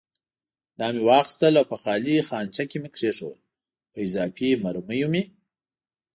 دا مې واخیستل او په خالي خانچه کې مې کېښوول، په اضافي مرمیو مې.